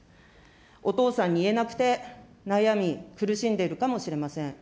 お父さんに言えなくて、悩み、苦しんでいるかもしれません。